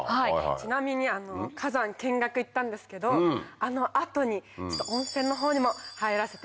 ちなみに火山見学行ったんですけどあの後に温泉の方にも入らせていただきまして。